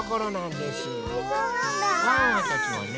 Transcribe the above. ワンワンたちはね